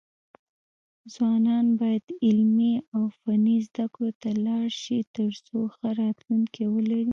ځوانان بايد علمي او فني زده کړو ته لاړ شي، ترڅو ښه راتلونکی ولري.